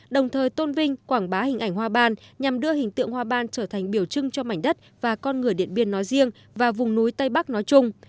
đồng thời tôn vinh quảng bá hình ảnh hoa ban nhằm đưa hình tượng hoa ban trở thành biểu trưng cho mảnh đất và con người điện biên nói riêng và vùng núi tây bắc nói chung